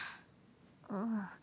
うん。